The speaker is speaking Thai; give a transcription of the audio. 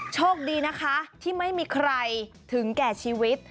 โชคดีนะคะที่ไม่มีใครถึงแก่ชีวิต